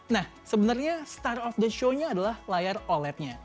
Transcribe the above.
nah sebenarnya star of the show nya adalah layar olednya